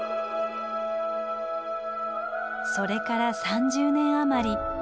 それから３０年余り。